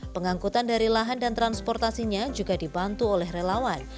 pengangkutan dari lahan dan transportasinya juga dibantu oleh relawan